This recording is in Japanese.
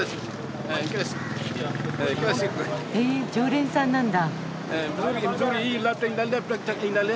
へえ常連さんなんだ。